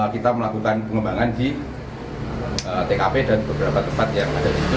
kita melakukan pengembangan di tkp dan beberapa tempat yang ada di